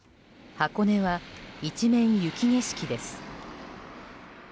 箱根は、一面雪景色です。